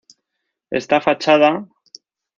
Esta fachada delgada está enmarcada por dos torres.